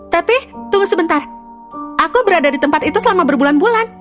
tapi tunggu sebentar aku berada di tempat itu selama berbulan bulan